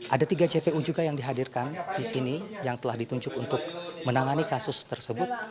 ada tiga jpu juga yang dihadirkan di sini yang telah ditunjuk untuk menangani kasus tersebut